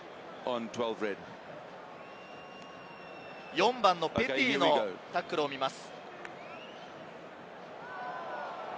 ４番ペティのタックルを見ます。